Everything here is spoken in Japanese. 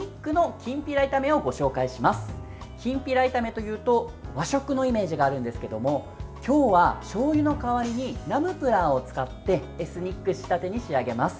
きんぴら炒めというと和食のイメージがあるんですけども今日はしょうゆの代わりにナムプラーを使ってエスニック仕立てに仕上げます。